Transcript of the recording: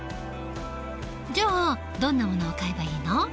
じゃあどんなものを買えばいいの？